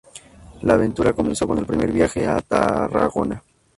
La aventura comenzó con el primer viaje a Tarragona.